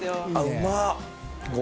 うまっ